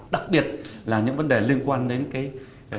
đặc biệt là những vấn đề liên quan đến thăm dò